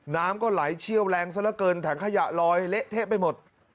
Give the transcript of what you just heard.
น้ำก็ไหลเชี่ยวแรงซะละเกินถังขยะลอยเละเทะไปหมด